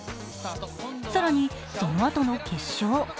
更に、そのあとの決勝。